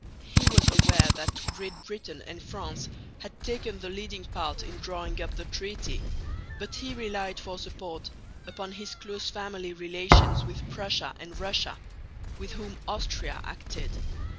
He was aware that Great Britain and France had taken the leading part in drawing up the treaty, but he relied for support upon his close family relations with Prussia and Russia, with whom Austria acted.